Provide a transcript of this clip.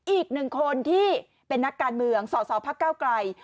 อีกหนึ่งคนที่เป็นนักการเมืองสอสอพักเก้าไกล